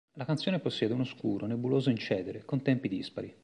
La canzone possiede un oscuro, nebuloso incedere, con tempi dispari.